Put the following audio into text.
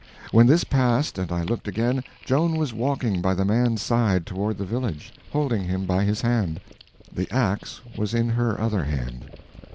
When this passed and I looked again, Joan was walking by the man's side toward the village, holding him by his hand. The ax was in her other hand.